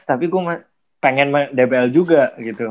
gue juga pengen main timnas tapi gue pengen main dbl juga gitu